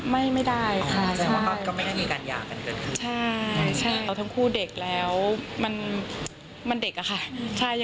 ไม่ไม่ได้ค่ะใช่